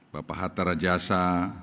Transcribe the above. bapak hatta rajasa